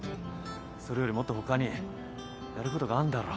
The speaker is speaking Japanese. それよりもっと他にやることがあんだろ。